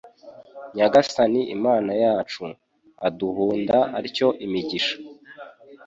Nyagasani Imana yacu aduhunda atyo imigisha